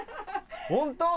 本当？